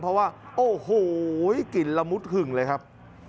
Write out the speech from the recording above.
เพราะว่ากลิ่นระมุดหึ่งเลยครับ